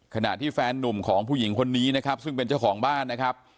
ขณะที่แฟนนุ่มของผู้หญิงคนนี้นะครับซึ่งเป็นเจ้าของบ้านนะครับ